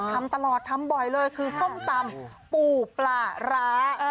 ทำตลอดทำบ่อยเลยคือส้มตำปูปลาร้า